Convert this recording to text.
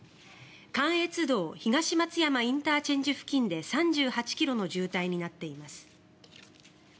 関越道東松山ＩＣ付近で３８ｋｍの重体になっています。